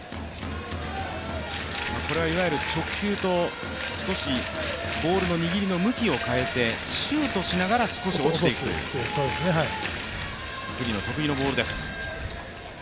これはいわゆる直球とボールの握りの向きを変えてシュートしながら少し落ちていく九里の得意のボールです。